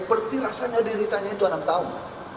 seperti rasanya deritanya itu enam tahun